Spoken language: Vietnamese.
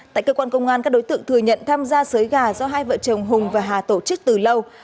tại cơ quan công an các đối tượng thừa nhận tham gia xới gà do hai vợ chồng hùng và hà tổ chức từ lâu